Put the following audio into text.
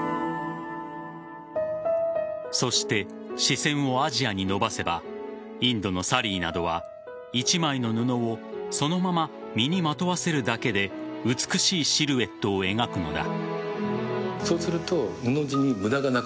そして、視線をアジアに伸ばせばインドのサリーなどは一枚の布をそのまま身にまとわせるだけで美しいシルエットを描くのだ。